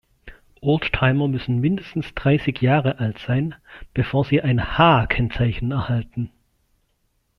Oldtimer müssen mindestens dreißig Jahre alt sein, bevor sie ein H-Kennzeichen erhalten.